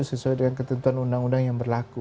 sesuai dengan ketentuan undang undang yang berlaku